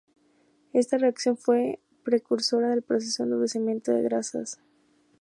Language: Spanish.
Esta reacción fue precursora del proceso de endurecimiento de grasas.